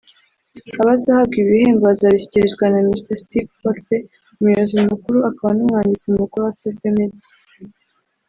Abazahabwa ibi bihembo bazabishyikirizwa na Mr Steve Forbes umuyobozi mukuru akaba n’umwanditsi mukuru wa Forbes Media